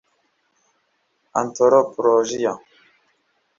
antropologiya